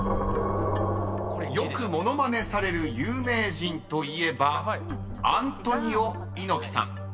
［よく物まねされる有名人といえばアントニオ猪木さん］